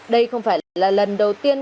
đây không phải là lần đầu tiên